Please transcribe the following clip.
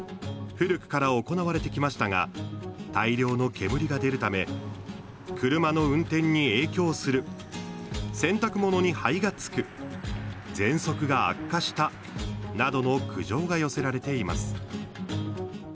古くから行われてきましたが大量の煙が出るため車の運転に影響する洗濯物に灰がつくぜんそくが悪化したなどの苦情が寄せられています。